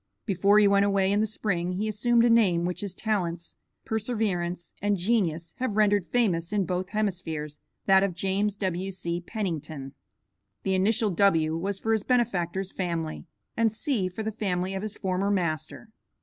Before he went away in the spring he assumed a name which his talents, perseverance, and genius have rendered famous in both hemispheres, that of James W.C. Pennington. The initial W. was for his benefactor's family, and C. for the family of his former master.